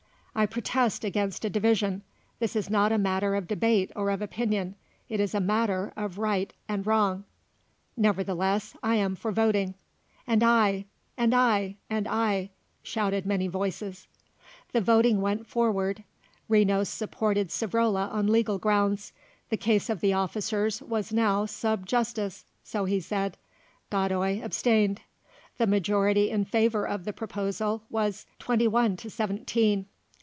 "I protest against a division. This is not a matter of debate or of opinion; it is a matter of right and wrong." "Nevertheless I am for voting." "And I," "And I," "And I," shouted many voices. The voting went forward. Renos supported Savrola on legal grounds; the case of the officers was now sub judice, so he said. Godoy abstained. The majority in favour of the proposal was twenty one to seventeen.